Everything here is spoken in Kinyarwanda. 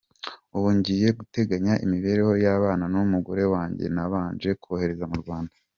Ubu ngiye guteganya imibereho y’abana n’umugore wanjye nabanje kohereza mu Rwanda.